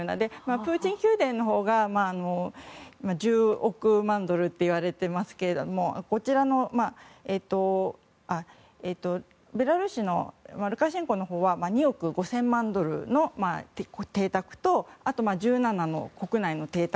プーチン宮殿のほうが１０億万ドルといわれていますがベラルーシのルカシェンコのほうは２億５０００万ドルの邸宅とあと１７の国内の邸宅。